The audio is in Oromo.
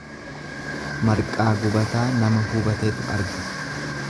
Marqaa gubataa nama hubatetu arga.